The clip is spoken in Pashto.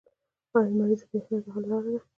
آیا لمریزه بریښنا د حل لاره ده؟